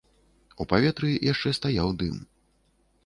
У паветры яшчэ стаяў дым.